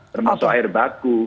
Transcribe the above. termasuk air baku